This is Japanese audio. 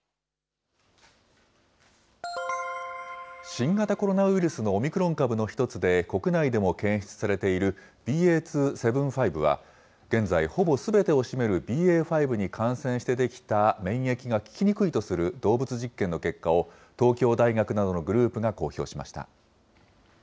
新型コロナウイルスのオミクロン株の１つで国内でも検出されているＢＡ．２．７５は、現在、ほぼすべてを占めるＢＡ．５に感染して出来た免疫が効きにくいとする動物実験の結果を、東京大学などのグループが公表しました。